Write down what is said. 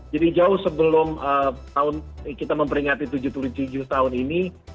jadi jauh sebelum tahun kita memperingati tujuh puluh tujuh tahun ini